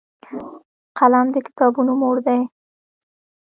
قلم د کتابونو مور دی